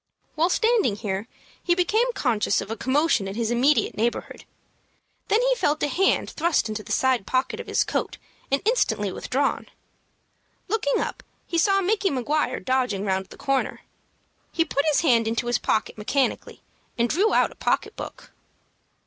While standing here he became conscious of a commotion in his immediate neighborhood. Then he felt a hand thrust into the side pocket of his coat, and instantly withdrawn. Looking up, he saw Micky Maguire dodging round the corner. He put his hand into his pocket mechanically, and drew out a pocket book.